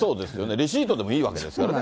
レシートでもいいわけですからね。